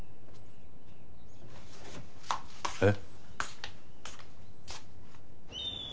えっ？